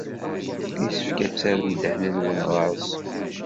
Yessefk ad terrem ddehn-nwen ɣer-s.